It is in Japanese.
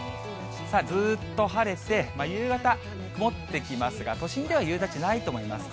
さあ、ずっと晴れて、夕方、曇ってきますが、都心では夕立ないと思います。